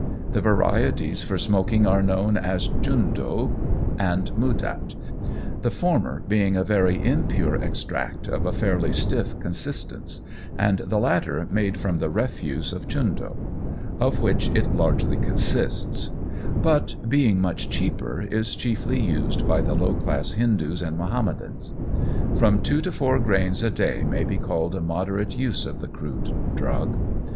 The varieties for smoking are known as Chundoo and Mudat, the former being a very impure extract of a fairly stiff consistence, and the latter made from the refuse of Chundoo, of which it largely consists; but being much cheaper, is chiefly used by the low class Hindoos and Mahomedans. From two to four grains a day may be called a moderate use of the crude drug.